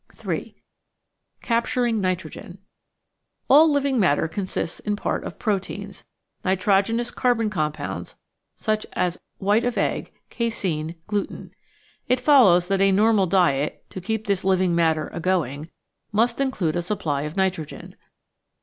3 Capturing Nitrogen All living matter consists in part of proteins nitrogenous carbon compounds, such as white of egg, casein, gluten. It fol lows that a normal diet to keep this living matter agoing must include a supply of nitrogen.